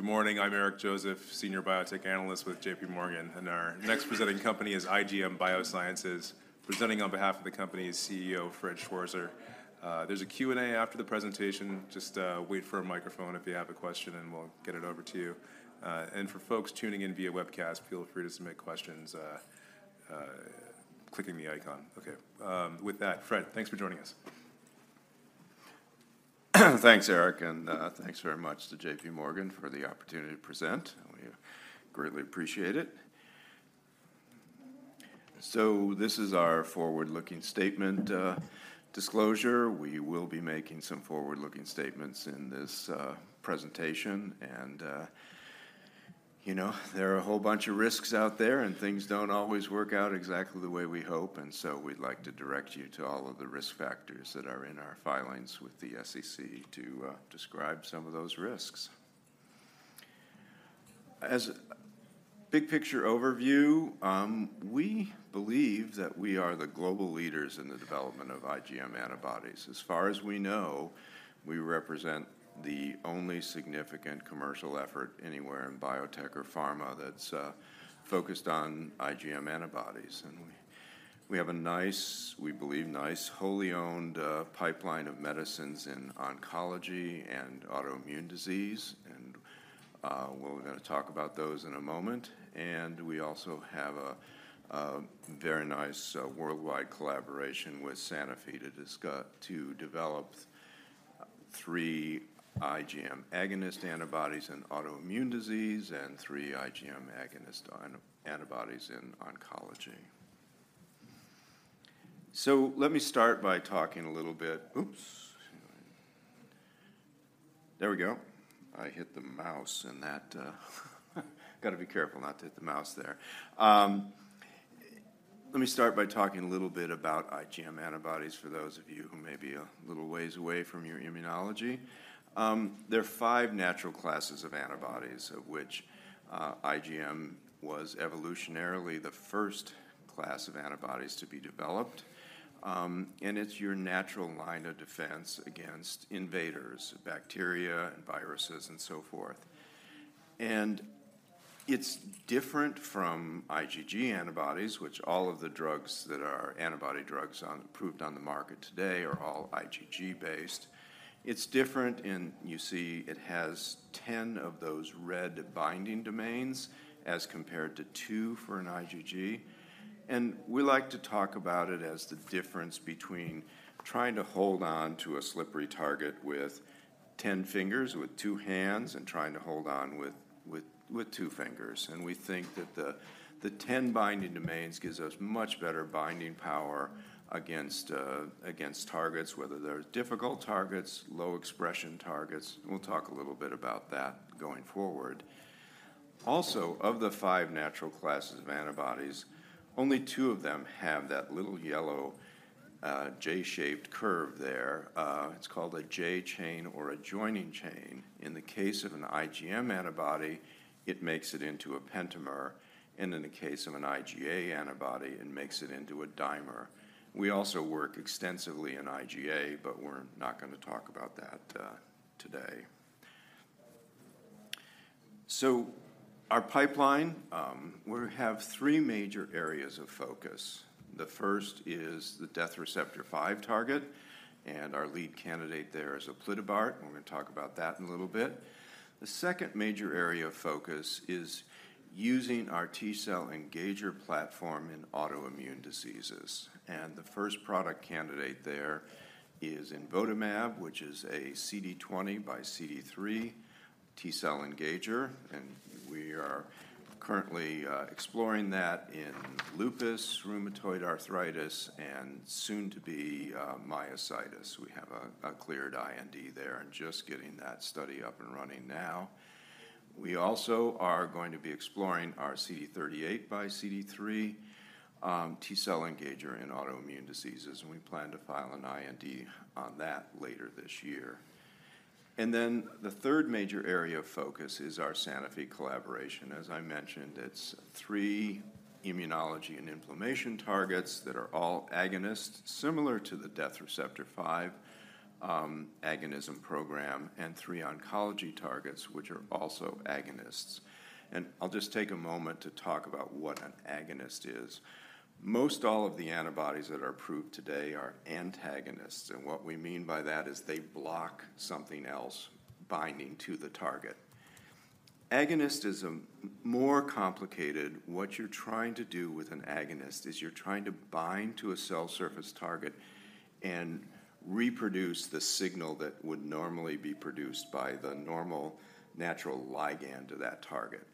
Good morning, I'm Eric Joseph, Senior Biotech Analyst with JPMorgan, and our next presenting company is IGM Biosciences. Presenting on behalf of the company is CEO Fred Schwarzer. There's a Q&A after the presentation. Just wait for a microphone if you have a question, and we'll get it over to you. And for folks tuning in via webcast, feel free to submit questions clicking the icon. Okay, with that, Fred, thanks for joining us. Thanks, Eric, and, thanks very much to JPMorgan for the opportunity to present. We greatly appreciate it. So this is our forward-looking statement, disclosure. We will be making some forward-looking statements in this, presentation, and, you know, there are a whole bunch of risks out there, and things don't always work out exactly the way we hope, and so we'd like to direct you to all of the risk factors that are in our filings with the SEC to, describe some of those risks. As a big-picture overview, we believe that we are the global leaders in the development of IgM antibodies. As far as we know, we represent the only significant commercial effort anywhere in biotech or pharma that's focused on IgM antibodies, and we have a nice, we believe, nice, wholly owned pipeline of medicines in oncology and autoimmune disease, and we're gonna talk about those in a moment. And we also have a very nice worldwide collaboration with Sanofi to develop three IgM agonist antibodies in autoimmune disease and three IgM agonist antibodies in oncology. So let me start by talking a little bit. Oops! There we go. I hit the mouse, and that gotta be careful not to hit the mouse there. Let me start by talking a little bit about IgM antibodies for those of you who may be a little ways away from your immunology. There are five natural classes of antibodies, of which IgM was evolutionarily the first class of antibodies to be developed, and it's your natural line of defense against invaders, bacteria, and viruses, and so forth. And it's different from IgG antibodies, which all of the drugs that are antibody drugs approved on the market today are all IgG-based. It's different in, you see, it has 10 of those red binding domains as compared to two for an IgG, and we like to talk about it as the difference between trying to hold on to a slippery target with 10 fingers, with two hands, and trying to hold on with two fingers. We think that the 10 binding domains gives us much better binding power against targets, whether they're difficult targets, low expression targets, and we'll talk a little bit about that going forward. Also, of the five natural classes of antibodies, only two of them have that little yellow J-shaped curve there. It's called a J chain or a Joining chain. In the case of an IgM antibody, it makes it into a pentamer, and in the case of an IgA antibody, it makes it into a dimer. We also work extensively in IgA, but we're not gonna talk about that today. Our pipeline, we have three major areas of focus. The first is the Death Receptor 5 target, and our lead candidate there is aplitabart, and we're gonna talk about that in a little bit. The second major area of focus is using our T-cell engager platform in autoimmune diseases, and the first product candidate there is imvotamab, which is a CD20 x CD3 T-cell engager, and we are currently exploring that in lupus, rheumatoid arthritis, and soon to be myositis. We have a cleared IND there and just getting that study up and running now. We also are going to be exploring our CD38 x CD3 T-cell engager in autoimmune diseases, and we plan to file an IND on that later this year. And then the third major area of focus is our Sanofi collaboration. As I mentioned, it's three immunology and inflammation targets that are all agonists, similar to the death receptor five agonism program, and three oncology targets, which are also agonists. And I'll just take a moment to talk about what an agonist is. Most all of the antibodies that are approved today are antagonists, and what we mean by that is they block something else binding to the target. Agonism, more complicated. What you're trying to do with an agonist is you're trying to bind to a cell surface target and reproduce the signal that would normally be produced by the normal natural ligand to that target.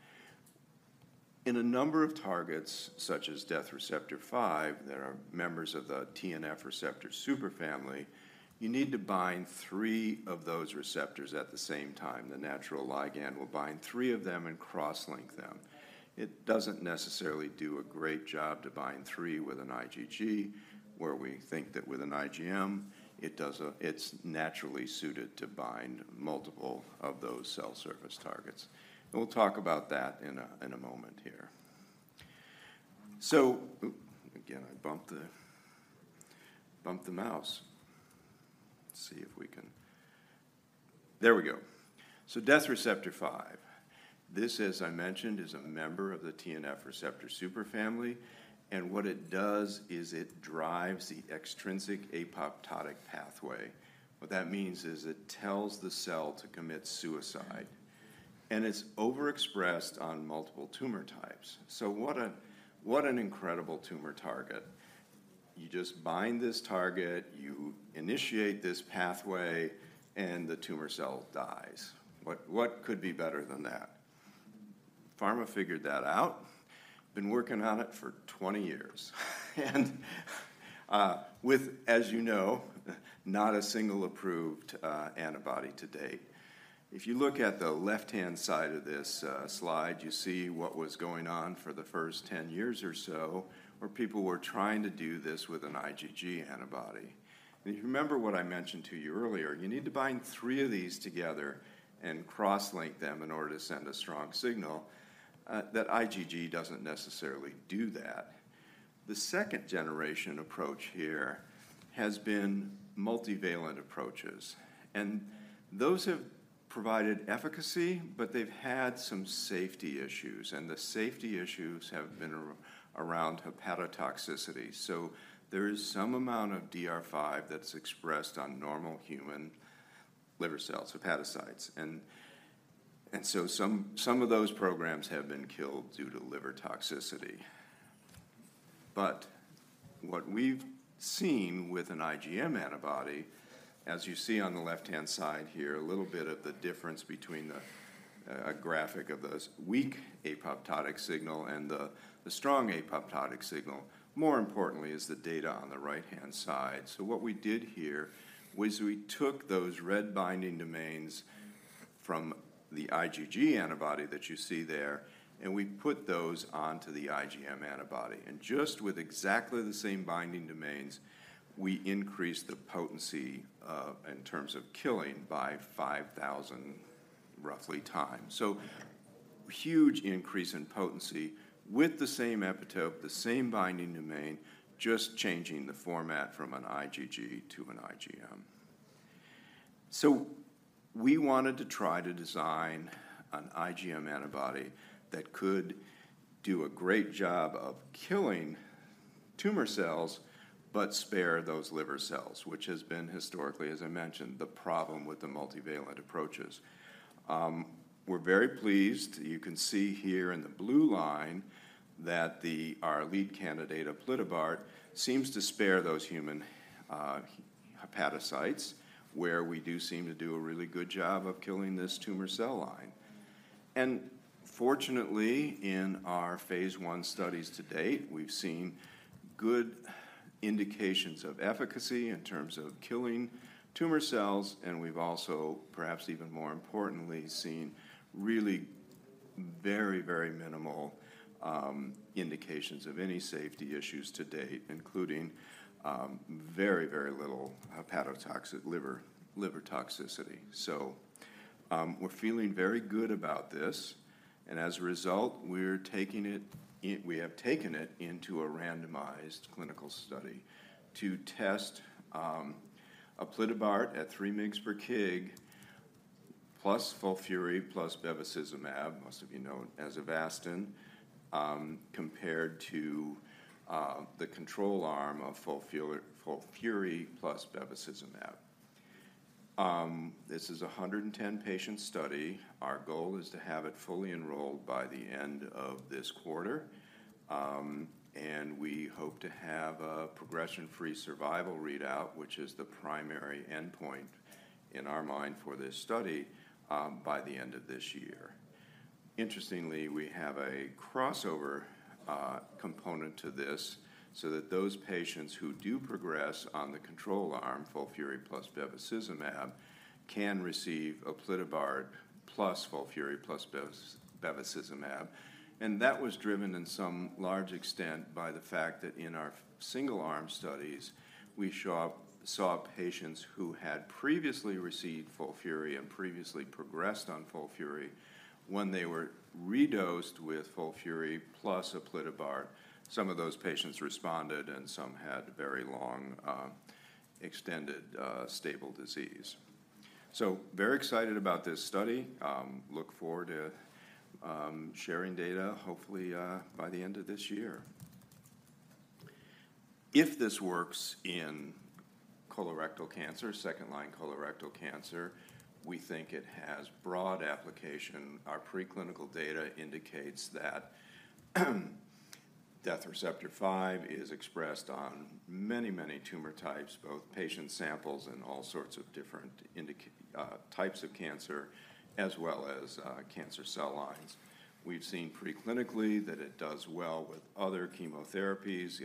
In a number of targets, such as Death Receptor 5, that are members of the TNF receptor superfamily, you need to bind three of those receptors at the same time. The natural ligand will bind three of them and cross-link them. It doesn't necessarily do a great job to bind three with an IgG, where we think that with an IgM, it does. It's naturally suited to bind multiple of those cell surface targets. We'll talk about that in a moment here. So, oop, again, I bumped the mouse. Let's see if we can. There we go. So Death Receptor 5. This, as I mentioned, is a member of the TNF receptor superfamily, and what it does is it drives the extrinsic apoptotic pathway. What that means is it tells the cell to commit suicide, and it's overexpressed on multiple tumor types. So what an incredible tumor target. You just bind this target, you initiate this pathway, and the tumor cell dies. What could be better than that? Pharma figured that out, been working on it for 20 years. And, with, as you know, not a single approved antibody to date. If you look at the left-hand side of this slide, you see what was going on for the first 10 years or so, where people were trying to do this with an IgG antibody. If you remember what I mentioned to you earlier, you need to bind three of these together and cross-link them in order to send a strong signal. That IgG doesn't necessarily do that. The second generation approach here has been multivalent approaches, and those have provided efficacy, but they've had some safety issues, and the safety issues have been around hepatotoxicity. So there is some amount of DR5 that's expressed on normal human liver cells, hepatocytes. And so some of those programs have been killed due to liver toxicity. What we've seen with an IgM antibody, as you see on the left-hand side here, a little bit of the difference between the graphic of this weak apoptotic signal and the strong apoptotic signal. More importantly is the data on the right-hand side. What we did here was we took those red binding domains from the IgG antibody that you see there, and we put those onto the IgM antibody. Just with exactly the same binding domains, we increased the potency in terms of killing by 5,000, roughly, times. Huge increase in potency with the same epitope, the same binding domain, just changing the format from an IgG to an IgM. So we wanted to try to design an IgM antibody that could do a great job of killing tumor cells, but spare those liver cells, which has been historically, as I mentioned, the problem with the multivalent approaches. We're very pleased. You can see here in the blue line that our lead candidate, aplitabart, seems to spare those human hepatocytes, where we do seem to do a really good job of killing this tumor cell line. And fortunately, in our phase I studies to date, we've seen good indications of efficacy in terms of killing tumor cells, and we've also, perhaps even more importantly, seen really very, very minimal indications of any safety issues to date, including very, very little hepatotoxic liver, liver toxicity. We're feeling very good about this, and as a result, we have taken it into a randomized clinical study to test aplitabart at 3 mg per kg, plus FOLFIRI, plus bevacizumab, most of you know it as Avastin, compared to the control arm of FOLFIRI plus bevacizumab. This is a 110-patient study. Our goal is to have it fully enrolled by the end of this quarter, and we hope to have a progression-free survival readout, which is the primary endpoint in our mind for this study, by the end of this year. Interestingly, we have a crossover component to this, so that those patients who do progress on the control arm, FOLFIRI plus bevacizumab, can receive aplitabart plus FOLFIRI plus bevacizumab. That was driven in some large extent by the fact that in our single-arm studies, we saw patients who had previously received FOLFIRI and previously progressed on FOLFIRI. When they were redosed with FOLFIRI plus aplitabart, some of those patients responded, and some had very long extended stable disease. So very excited about this study. Look forward to sharing data hopefully by the end of this year. If this works in colorectal cancer, second-line colorectal cancer, we think it has broad application. Our preclinical data indicates that Death Receptor 5 is expressed on many tumor types, both patient samples and all sorts of different types of cancer, as well as cancer cell lines. We've seen preclinically that it does well with other chemotherapies,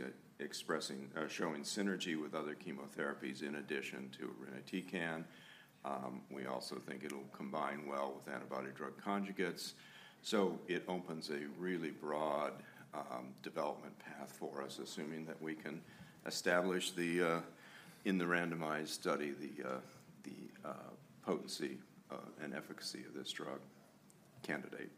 showing synergy with other chemotherapies in addition to irinotecan. We also think it'll combine well with antibody drug conjugates. So it opens a really broad development path for us, assuming that we can establish in the randomized study the potency and efficacy of this drug candidate.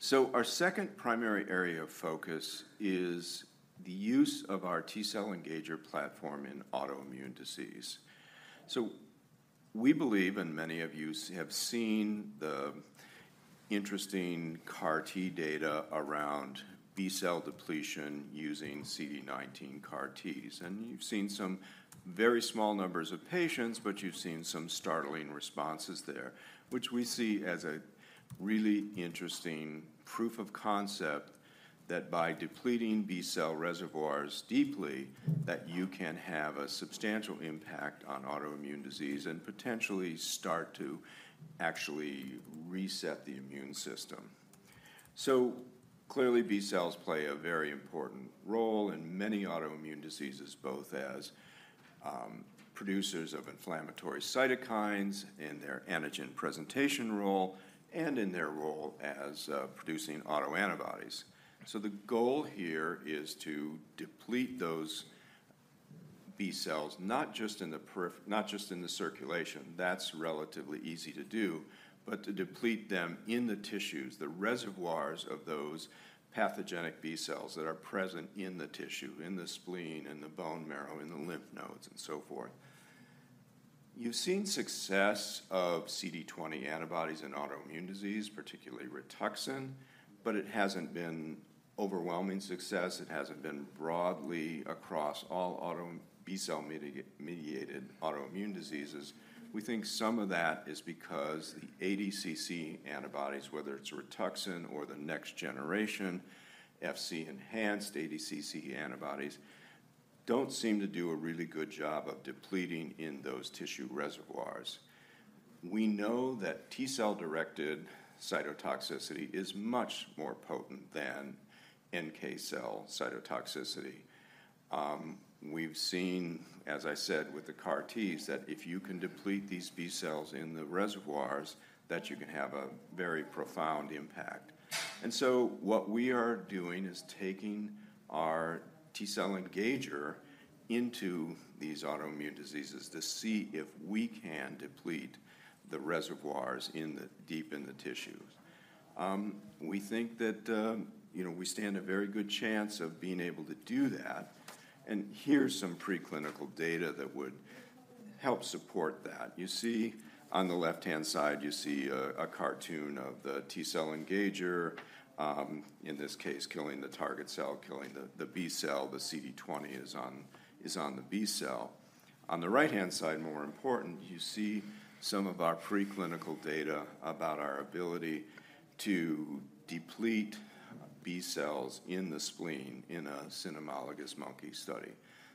So our second primary area of focus is the use of our T-cell engager platform in autoimmune disease. So we believe, and many of you have seen the interesting CAR T data around B-cell depletion using CD19 CAR Ts. And you've seen some very small numbers of patients, but you've seen some startling responses there, which we see as a really interesting proof of concept, that by depleting B-cell reservoirs deeply, that you can have a substantial impact on autoimmune disease and potentially start to actually reset the immune system. So clearly, B-cells play a very important role in many autoimmune diseases, both as producers of inflammatory cytokines in their antigen presentation role and in their role as producing autoantibodies. So the goal here is to deplete those B-cells, not just in the circulation. That's relatively easy to do, but to deplete them in the tissues, the reservoirs of those pathogenic B-cells that are present in the tissue, in the spleen, in the bone marrow, in the lymph nodes, and so forth. You've seen success of CD20 antibodies in autoimmune disease, particularly Rituxan, but it hasn't been overwhelming success. It hasn't been broadly across all autoimmune B-cell mediated autoimmune diseases. We think some of that is because the ADCC antibodies, whether it's Rituxan or the next generation, Fc-enhanced ADCC antibodies, don't seem to do a really good job of depleting in those tissue reservoirs. We know that T-cell-directed cytotoxicity is much more potent than NK cell cytotoxicity. We've seen, as I said, with the CAR Ts, that if you can deplete these B-cells in the reservoirs, that you can have a very profound impact. And so what we are doing is taking our T-cell engager into these autoimmune diseases to see if we can deplete the reservoirs deep in the tissues. We think that, you know, we stand a very good chance of being able to do that, and here's some preclinical data that would help support that. You see, on the left-hand side, you see a cartoon of the T-cell engager, in this case, killing the target cell, killing the B-cell. The CD20 is on the B-cell. On the right-hand side, more important, you see some of our preclinical data about our ability to deplete B-cells in the spleen in a cynomolgus monkey study.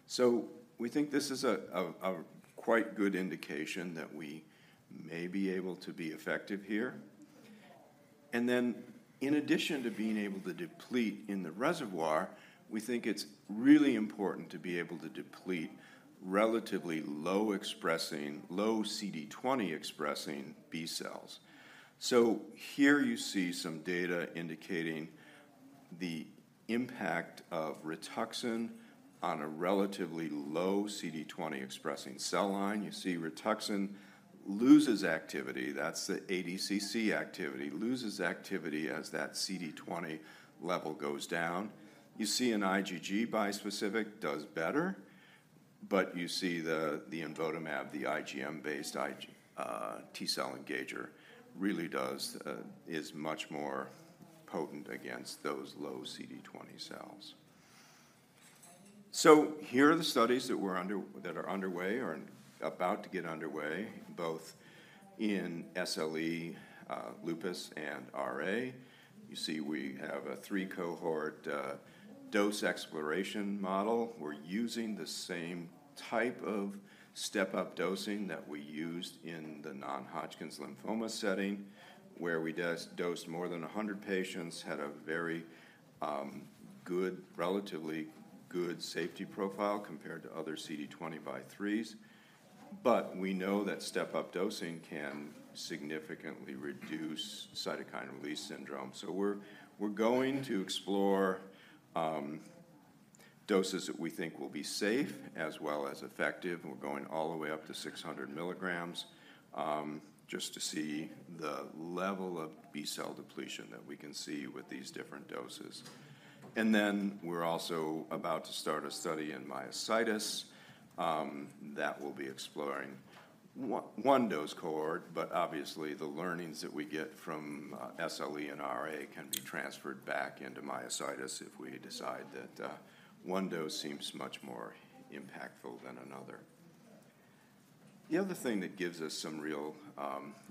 So we think this is a quite good indication that we may be able to be effective here. And then, in addition to being able to deplete in the reservoir, we think it's really important to be able to deplete relatively low expressing low CD20-expressing B-cells. So here you see some data indicating the impact of Rituxan on a relatively low CD20-expressing cell line. You see Rituxan loses activity, that's the ADCC activity, loses activity as that CD20 level goes down. You see an IgG bispecific does better, but you see the imvotamab, the IGM-based IgM T-cell engager, really does is much more potent against those low CD20 cells. So here are the studies that are underway or about to get underway, both in SLE, lupus, and RA. You see we have a three-cohort dose exploration model. We're using the same type of step-up dosing that we used in the non-Hodgkin's lymphoma setting, where we dosed more than 100 patients, had a very, good, relatively good safety profile compared to other CD20 x CD3s. But we know that step-up dosing can significantly reduce cytokine release syndrome. So we're, we're going to explore, doses that we think will be safe as well as effective. We're going all the way up to 600 mg just to see the level of B-cell depletion that we can see with these different doses. Then, we're also about to start a study in myositis that will be exploring one dose cohort. But obviously, the learnings that we get from SLE and RA can be transferred back into myositis if we decide that one dose seems much more impactful than another. The other thing that gives us some real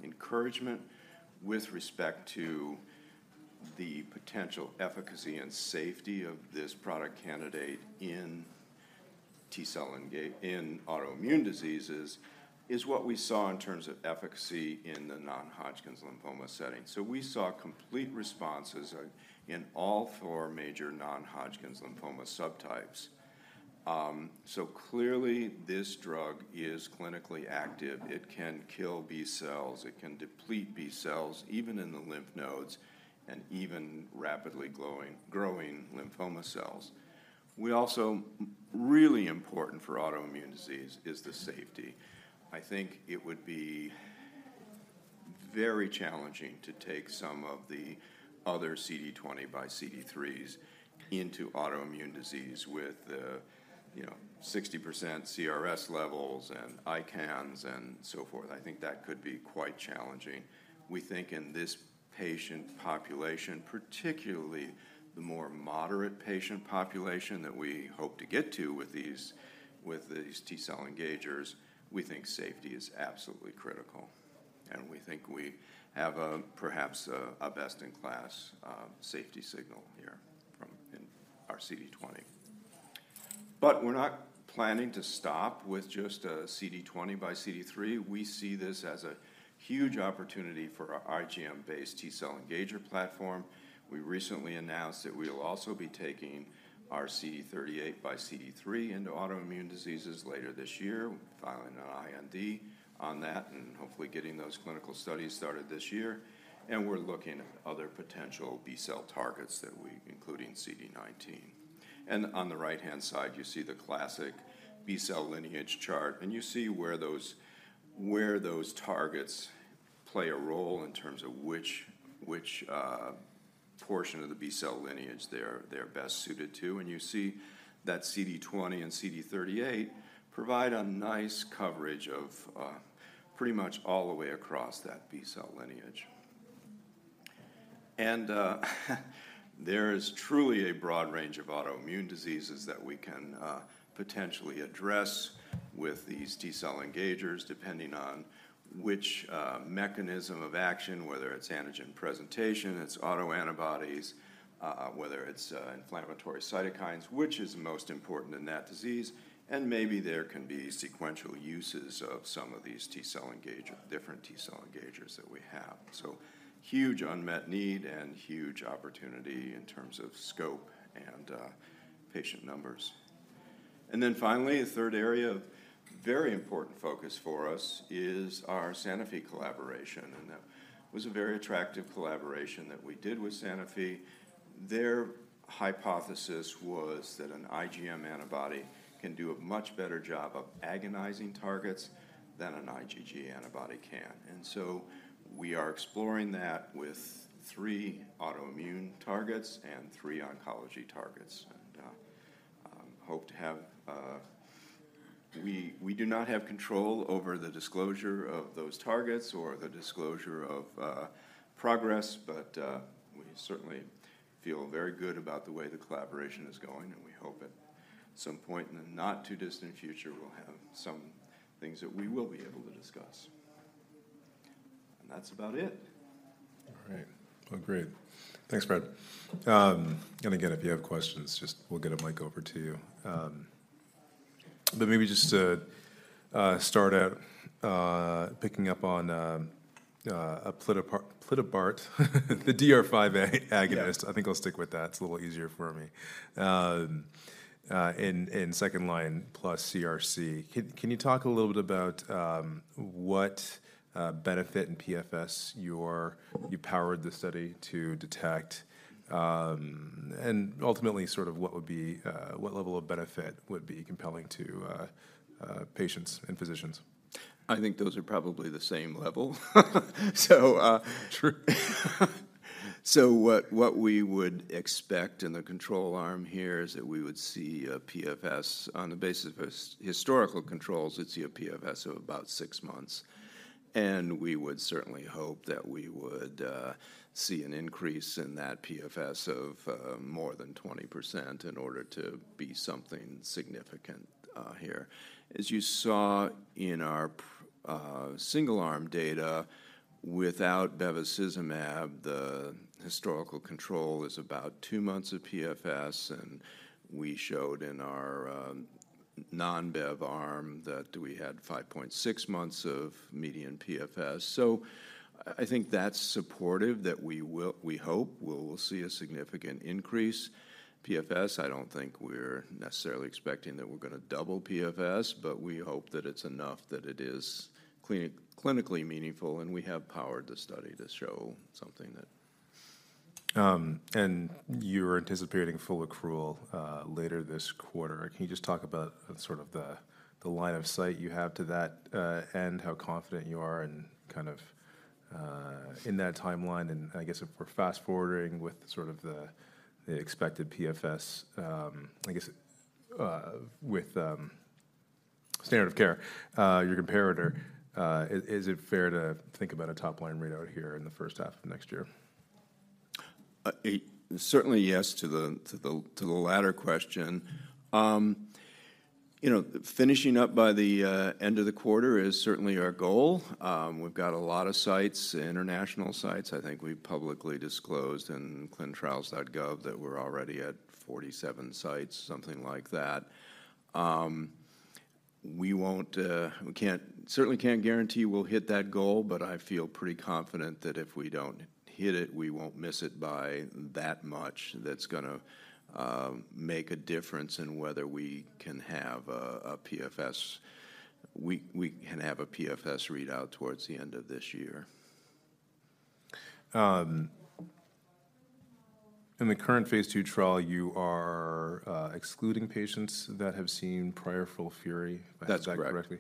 encouragement with respect to the potential efficacy and safety of this product candidate in T-cell engagers in autoimmune diseases is what we saw in terms of efficacy in the non-Hodgkin's lymphoma setting. So we saw complete responses in all four major non-Hodgkin's lymphoma subtypes. So clearly, this drug is clinically active. It can kill B-cells, it can deplete B-cells, even in the lymph nodes, and even rapidly growing lymphoma cells. We also really important for autoimmune disease is the safety. I think it would be very challenging to take some of the other CD20 x CD3s into autoimmune disease with, you know, 60% CRS levels and ICANS and so forth. I think that could be quite challenging. We think in this patient population, particularly the more moderate patient population that we hope to get to with these, with these T-cell engagers, we think safety is absolutely critical, and we think we have a perhaps a best-in-class safety signal here from in our CD20. But we're not planning to stop with just a CD20 x CD3. We see this as a huge opportunity for our IGM-based T-cell engager platform. We recently announced that we will also be taking our CD38 x CD3 into autoimmune diseases later this year. We're filing an IND on that, and hopefully getting those clinical studies started this year. We're looking at other potential B-cell targets that we including CD19. On the right-hand side, you see the classic B-cell lineage chart, and you see where those targets play a role in terms of which portion of the B-cell lineage they're best suited to. You see that CD20 and CD38 provide a nice coverage of pretty much all the way across that B-cell lineage. There is truly a broad range of autoimmune diseases that we can potentially address with these T-cell engagers, depending on which mechanism of action, whether it's antigen presentation, it's autoantibodies, whether it's inflammatory cytokines, which is most important in that disease, and maybe there can be sequential uses of some of these different T-cell engagers that we have. So huge unmet need and huge opportunity in terms of scope and patient numbers. And then finally, a third area of very important focus for us is our Sanofi collaboration, and that was a very attractive collaboration that we did with Sanofi. Their hypothesis was that an IgM antibody can do a much better job of agonizing targets than an IgG antibody can. And so we are exploring that with three autoimmune targets and three oncology targets, and hope to have... We do not have control over the disclosure of those targets or the disclosure of progress, but we certainly feel very good about the way the collaboration is going, and we hope at some point in the not-too-distant future, we'll have some things that we will be able to discuss. And that's about it. All right. Well, great. Thanks, Fred. And again, if you have questions, just we'll get a mic over to you. But maybe just to start out, picking up on aplitabart, the DR5 agonist. Yeah. I think I'll stick with that. It's a little easier for me. In second line, plus CRC, can you talk a little bit about what benefit in PFS you powered the study to detect, and ultimately, sort of what level of benefit would be compelling to patients and physicians? I think those are probably the same level. So, True. So what we would expect in the control arm here is that we would see a PFS, on the basis of historical controls, we'd see a PFS of about six months, and we would certainly hope that we would see an increase in that PFS of more than 20% in order to be something significant here. As you saw in our single-arm data, without bevacizumab, the historical control is about two months of PFS, and we showed in our non-bev arm that we had 5.6 months of median PFS. So I think that's supportive that we hope we'll see a significant increase PFS. I don't think we're necessarily expecting that we're gonna double PFS, but we hope that it's enough, that it is clinically meaningful, and we have powered the study to show something that... You're anticipating full accrual later this quarter. Can you just talk about sort of the line of sight you have to that, and how confident you are and, kind of, in that timeline? I guess, if we're fast-forwarding with sort of the expected PFS, I guess, with standard of care, your comparator, is it fair to think about a top-line readout here in the first half of next year? It certainly yes to the latter question. You know, finishing up by the end of the quarter is certainly our goal. We've got a lot of sites, international sites. I think we've publicly disclosed in clinicaltrials.gov that we're already at 47 sites, something like that. We certainly can't guarantee we'll hit that goal, but I feel pretty confident that if we don't hit it, we won't miss it by that much. That's gonna make a difference in whether we can have a PFS readout towards the end of this year. In the current phase II trial, you are excluding patients that have seen prior FOLFIRI, if— That's correct. I got that correctly.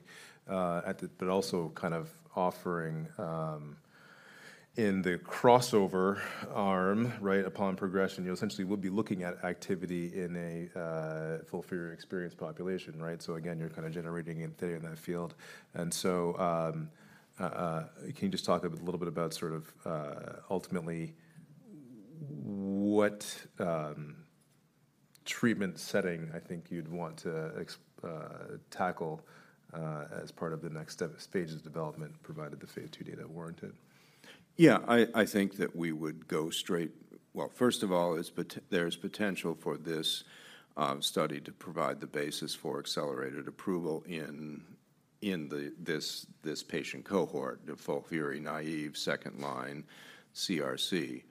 At the— But also kind of offering in the crossover arm, right, upon progression, you essentially will be looking at activity in a FOLFIRI experienced population, right? So again, you're kind of generating data in that field. And so, can you just talk a little bit about sort of ultimately what treatment setting I think you'd want to tackle as part of the next step phases of development, provided the phase II data warrant it? Yeah. I think that we would go straight... Well, first of all, there's potential for this study to provide the basis for accelerated approval in this patient cohort, the FOLFIRI-naïve second-line CRC.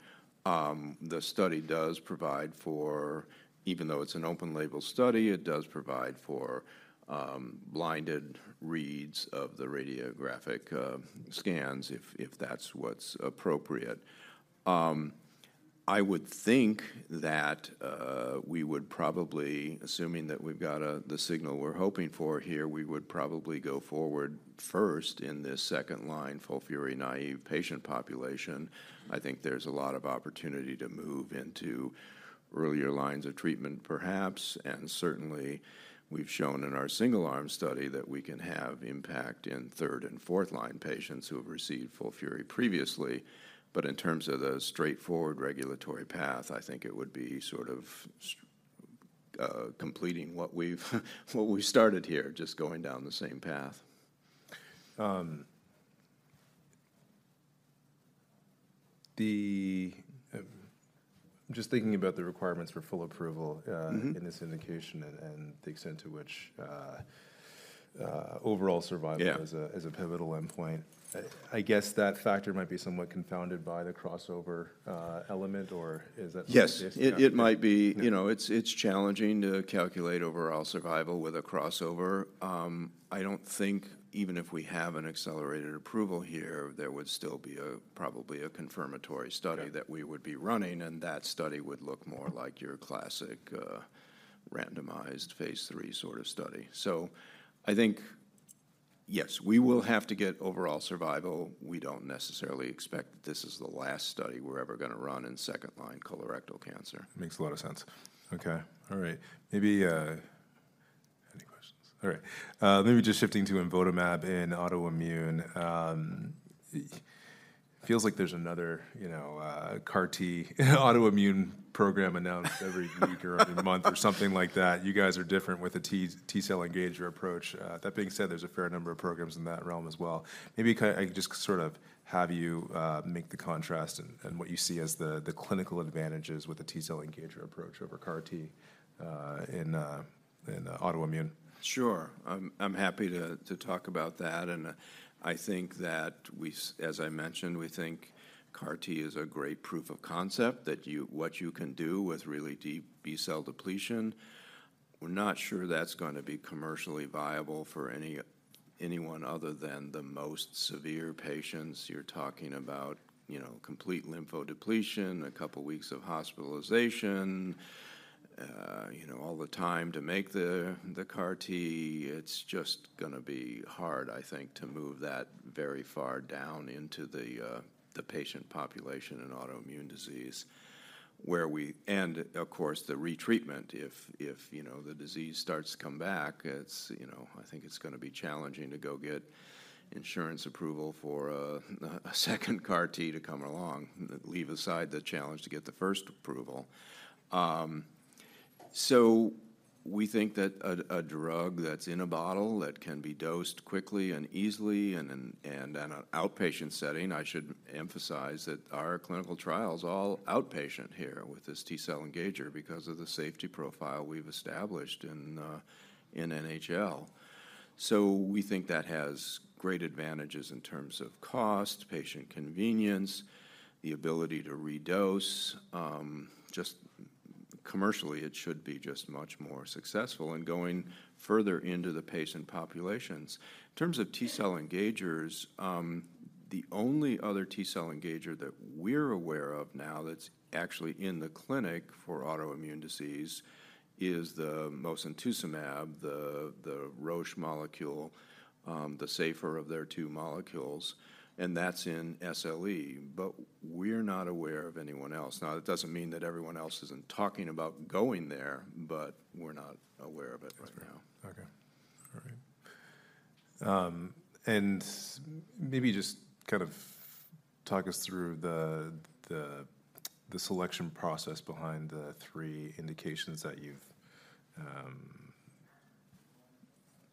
The study does provide for. Even though it's an open label study, it does provide for blinded reads of the radiographic scans, if that's what's appropriate. I would think that we would probably, assuming that we've got the signal we're hoping for here, we would probably go forward first in this second-line FOLFIRI-naïve patient population. I think there's a lot of opportunity to move into earlier lines of treatment, perhaps, and certainly, we've shown in our single-arm study that we can have impact in third and fourth-line patients who have received FOLFIRI previously. But in terms of the straightforward regulatory path, I think it would be sort of completing what we started here, just going down the same path. Just thinking about the requirements for full approval in this indication and the extent to which overall survival is a pivotal endpoint. I guess that factor might be somewhat confounded by the crossover element, or is that— Yes. —the case? Yeah? It might be... You know, it's challenging to calculate overall survival with a crossover. I don't think even if we have an accelerated approval here, there would still be a, probably a confirmatory study that we would be running, and that study would look more like your classic, randomized phase III sort of study. So I think, yes, we will have to get overall survival. We don't necessarily expect that this is the last study we're ever gonna run in second-line colorectal cancer. Makes a lot of sense. Okay. All right. Maybe any questions? All right. Maybe just shifting to imvotamab in autoimmune. Feels like there's another, you know, CAR-T autoimmune program announced every week or every month or something like that. You guys are different with the T-cell engager approach. That being said, there's a fair number of programs in that realm as well. Maybe I could just sort of have you make the contrast and what you see as the clinical advantages with the T-cell engager approach over CAR-T in autoimmune. Sure. I'm happy to talk about that, and I think that as I mentioned, we think CAR-T is a great proof of concept, that what you can do with really deep B-cell depletion. We're not sure that's gonna be commercially viable for anyone other than the most severe patients. You're talking about, you know, complete lymphodepletion, a couple weeks of hospitalization, you know, all the time to make the CAR-T. It's just gonna be hard, I think, to move that very far down into the patient population in autoimmune disease, where we... And, of course, the retreatment, if you know, the disease starts to come back, it's, you know... I think it's gonna be challenging to go get insurance approval for a second CAR-T to come along, leave aside the challenge to get the first approval. So we think that a drug that's in a bottle, that can be dosed quickly and easily, and in an outpatient setting. I should emphasize that our clinical trial is all outpatient here with this T-cell engager because of the safety profile we've established in NHL. So we think that has great advantages in terms of cost, patient convenience, the ability to redose. Just commercially, it should be just much more successful in going further into the patient populations. In terms of T-cell engagers, the only other T-cell engager that we're aware of now that's actually in the clinic for autoimmune disease is the mosunetuzumab, the Roche molecule, the safer of their two molecules, and that's in SLE. But we're not aware of anyone else. Now, that doesn't mean that everyone else isn't talking about going there, but we're not aware of it right now. Okay. All right. Maybe just kind of talk us through the selection process behind the three indications that you've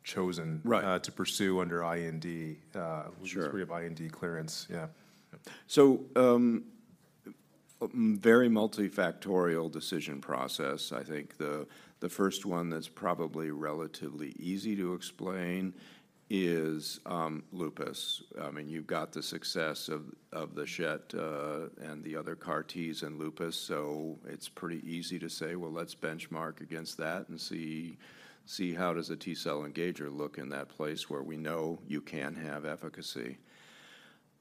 chosen to pursue under IND. Sure. Do we have IND clearance? Yeah. So, very multifactorial decision process. I think the first one that's probably relatively easy to explain is lupus. I mean, you've got the success of the CD19 and the other CAR-Ts in lupus, so it's pretty easy to say, "Well, let's benchmark against that and see how does a T cell engager look in that place where we know you can have efficacy?"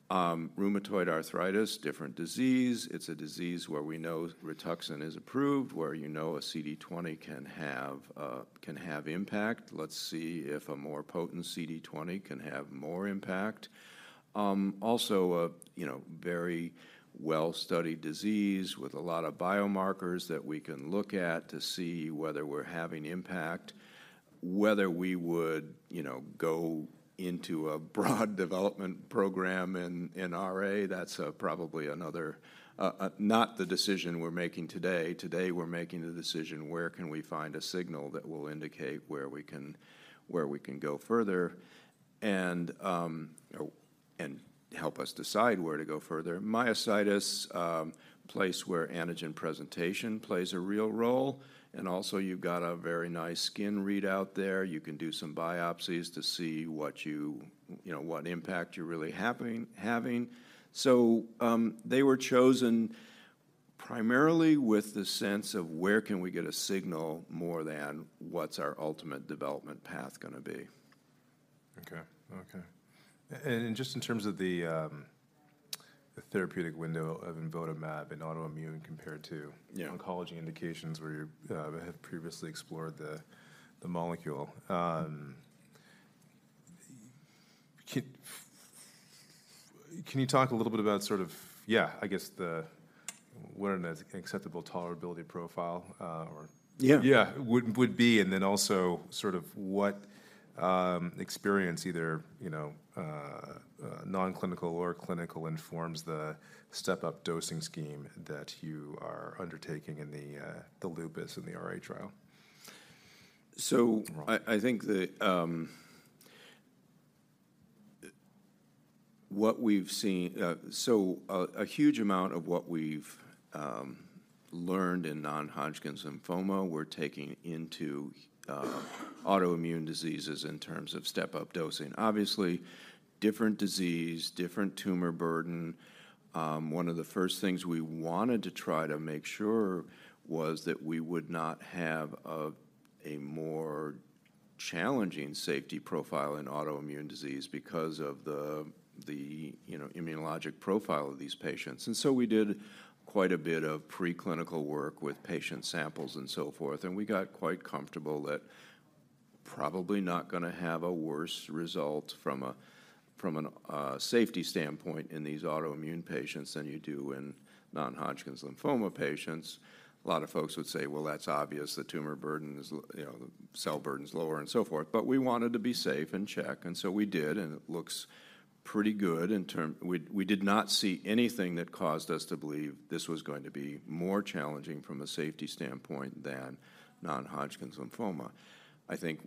Rheumatoid arthritis, different disease. It's a disease where we know Rituxan is approved, where you know a CD20 can have impact. Let's see if a more potent CD20 can have more impact. Also, you know, very well-studied disease with a lot of biomarkers that we can look at to see whether we're having impact. Whether we would, you know, go into a broad development program in RA, that's probably another not the decision we're making today. Today, we're making the decision, where can we find a signal that will indicate where we can, where we can go further, and help us decide where to go further? Myositis, place where antigen presentation plays a real role, and also you've got a very nice skin readout there. You can do some biopsies to see what you you know, what impact you're really having. So, they were chosen primarily with the sense of, where can we get a signal, more than what's our ultimate development path gonna be. Okay. Okay. And just in terms of the therapeutic window of imvotamab in autoimmune compared to oncology indications, where you have previously explored the molecule. Can you talk a little bit about sort of, yeah, I guess, the what an acceptable tolerability profile, or, yeah, would be, and then also sort of what experience either, you know, non-clinical or clinical informs the step-up dosing scheme that you are undertaking in the lupus and the RA trial? So I think that what we've seen. So a huge amount of what we've learned in non-Hodgkin's lymphoma, we're taking into autoimmune diseases in terms of step-up dosing. Obviously, different disease, different tumor burden. One of the first things we wanted to try to make sure was that we would not have a more challenging safety profile in autoimmune disease because of the you know, immunologic profile of these patients. And so we did quite a bit of preclinical work with patient samples and so forth, and we got quite comfortable that probably not gonna have a worse result from a safety standpoint in these autoimmune patients than you do in non-Hodgkin's lymphoma patients. A lot of folks would say, "Well, that's obvious. The tumor burden is low, you know, the cell burden is lower," and so forth. But we wanted to be safe and check, and so we did, and it looks pretty good in terms. We did not see anything that caused us to believe this was going to be more challenging from a safety standpoint than non-Hodgkin's lymphoma. I think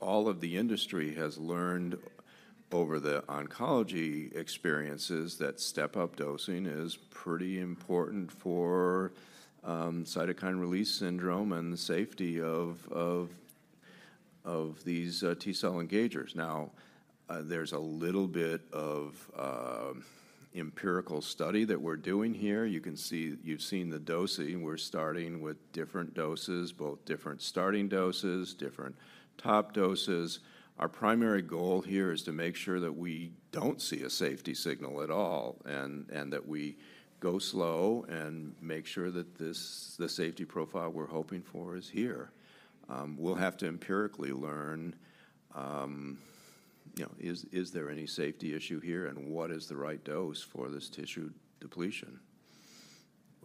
all of the industry has learned over the oncology experiences that step-up dosing is pretty important for cytokine release syndrome and the safety of these T-cell engagers. Now, there's a little bit of empirical study that we're doing here. You can see. You've seen the dosing. We're starting with different doses, both different starting doses, different top doses. Our primary goal here is to make sure that we don't see a safety signal at all, and that we go slow and make sure that this, the safety profile we're hoping for, is here. We'll have to empirically learn, you know, is there any safety issue here, and what is the right dose for this tissue depletion?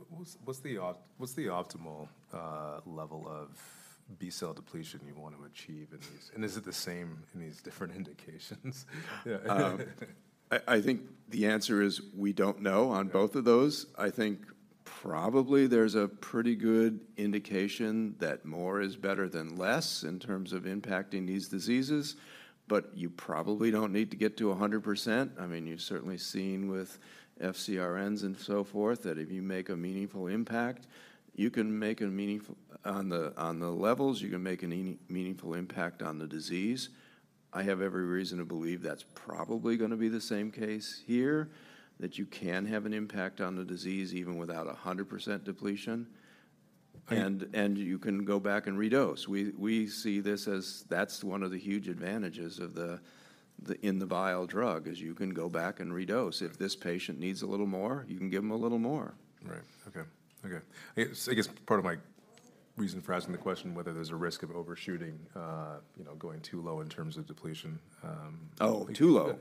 What's the optimal level of B-cell depletion you want to achieve in these? And is it the same in these different indications? Yeah. I think the answer is we don't know on both of those. I think probably there's a pretty good indication that more is better than less in terms of impacting these diseases, but you probably don't need to get to 100%. I mean, you've certainly seen with FcRNs and so forth, that if you make a meaningful impact, you can make a meaningful... On the levels, you can make a meaningful impact on the disease. I have every reason to believe that's probably gonna be the same case here, that you can have an impact on the disease even without 100% depletion, and you can go back and redose. We see this as that's one of the huge advantages of the in-the-vial drug, is you can go back and redose. If this patient needs a little more, you can give them a little more. Right. Okay, okay. I guess, I guess part of my reason for asking the question whether there's a risk of overshooting, you know, going too low in terms of depletion? Oh, too low?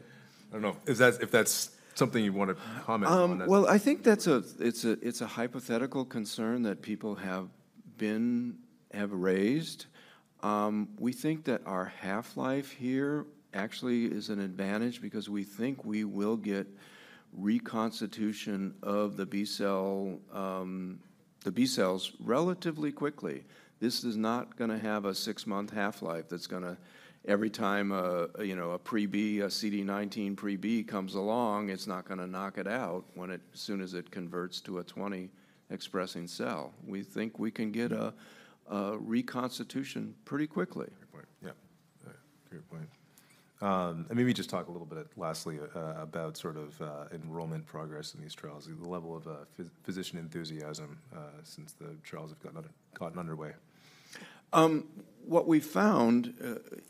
I don't know. If that's, if that's something you'd want to comment on. Well, I think that's a hypothetical concern that people have been—have raised. We think that our half-life here actually is an advantage because we think we will get reconstitution of the B-cell, the B-cells relatively quickly. This is not gonna have a six-month half-life that's gonna, you know, a pre-B, a CD19 pre-B comes along, it's not gonna knock it out when it, as soon as it converts to a CD20 expressing cell. We think we can get a reconstitution pretty quickly. Great point. Yeah. Great point. And maybe just talk a little bit lastly about sort of enrollment progress in these trials, the level of physician enthusiasm since the trials have gotten underway. What we found,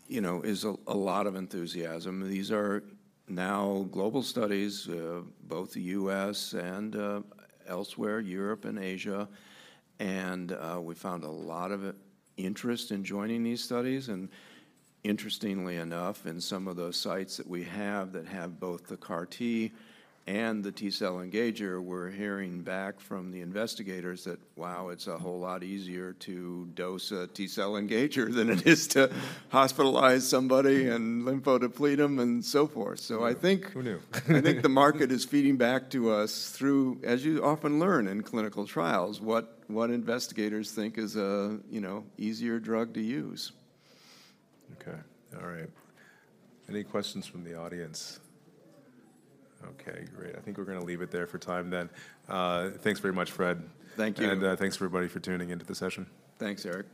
you know, is a lot of enthusiasm. These are now global studies, both the US and elsewhere, Europe and Asia, and we found a lot of interest in joining these studies. And interestingly enough, in some of the sites that we have that have both the CAR T and the T-cell engager, we're hearing back from the investigators that, wow, it's a whole lot easier to dose a T-cell engager than it is to hospitalize somebody and lymphodeplete them, and so forth. Who knew? I think the market is feeding back to us through, as you often learn in clinical trials, what investigators think is a, you know, easier drug to use. Okay. All right. Any questions from the audience? Okay, great. I think we're gonna leave it there for time then. Thanks very much, Fred. Thank you. Thanks, everybody, for tuning into the session. Thanks, Eric.